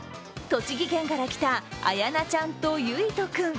栃木県から来たあやなちゃんとゆいとくん。